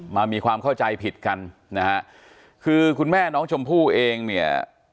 มีความเข้าใจผิดกันนะฮะคือคุณแม่น้องชมพู่เองเนี่ย